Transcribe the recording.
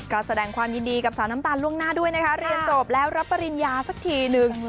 ก็แสดงความยินดีกับสาวน้ำตาลล่วงหน้าด้วยนะคะเรียนจบแล้วรับปริญญาสักทีนึง